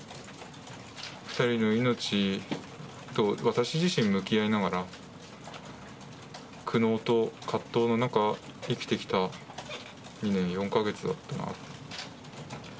２人の命と私自身向き合いながら、苦悩と葛藤の中、生きてきた２年４か月だったなと。